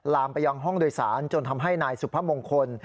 ลามมาห้องโดยศานจนทำให้นายสุภมงศ์คน